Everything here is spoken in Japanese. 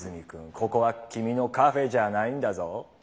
ここは君のカフェじゃあないんだぞ。